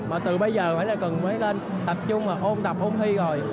mà từ bây giờ phải là cần mới lên tập trung mà ôn tập ôn thi rồi